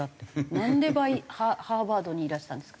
なんでハーバードにいらしたんですか？